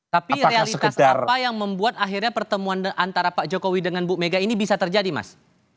tapi realitas apa yang membuat akhirnya pertemuan antara pak jokowi dengan bu mega ini bisa terjadi mas